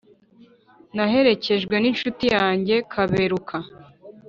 naherekejwe n’inshuti yanjye kaberuka